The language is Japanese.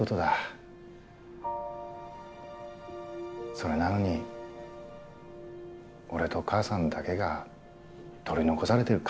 それなのに俺と母さんだけが取り残されてる感じがしてや。